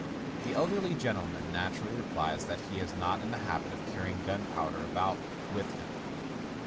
" The elderly gentleman naturally replies that he is not in the habit of carrying gunpowder about with him.